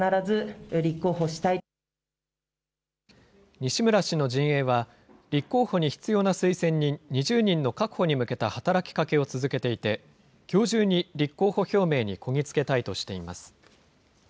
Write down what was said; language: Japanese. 西村氏の陣営は、立候補に必要な推薦人２０人の確保に向けた働きかけを続けていて、きょう中に立候補表明にこぎ着けたいとしています。